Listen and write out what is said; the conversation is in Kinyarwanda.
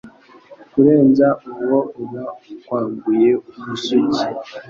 Kurenza uwo uba ukwambuye ubusugi